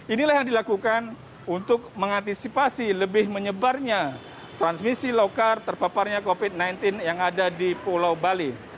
inilah yang dilakukan untuk mengantisipasi lebih menyebarnya transmisi lokar terpaparnya covid sembilan belas yang ada di pulau bali